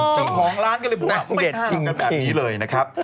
ก็หองร้านกันเลยบอกว่าไม่ค่ามากันแบบนี้เลยนะครับ